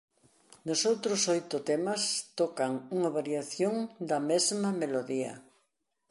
Nos outros oito temas tocan unha variación da mesma melodía.